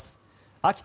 秋田